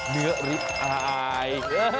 เนื้อริอาย